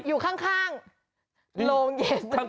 อยู่ข้างโรงเย็น